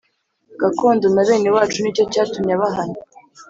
gakondo na bene wacu Ni cyo cyatumye abahana